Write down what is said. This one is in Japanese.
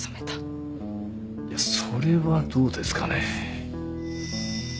いやそれはどうですかね？